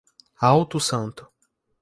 Alto Santo